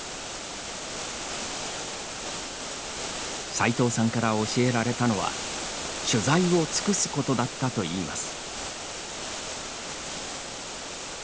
さいとうさんから教えられたのは取材を尽くすことだったといいます。